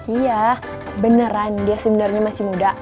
iya beneran dia sebenarnya masih muda